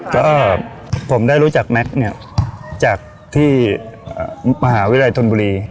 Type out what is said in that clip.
ก็ผมได้รู้จักแม็กซ์เนี่ยจากที่มหาวิทยาลัยธนบุรี